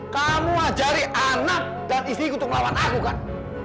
kamu ajari anak dan istriku untuk melawan aku kan